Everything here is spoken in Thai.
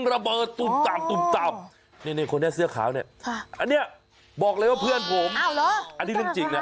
ด้วยกันไอ้ตะหมอเนี่ยเตะบอลโคตรเก่งเลย